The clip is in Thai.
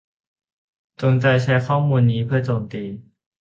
จงใจใช้ข้อมูลนี้เพื่อโจมตี